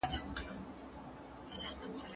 علم پر طبیعت واکمن عيني قوانین نه پېژني.